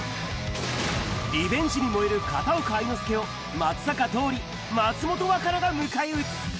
リベンジに燃える片岡愛之助を、松坂桃李、松本若菜が迎え撃つ。